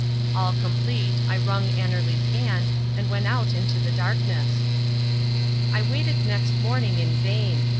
All complete, I wrung Annerly's hand, and went out into the darkness. I waited next morning in vain.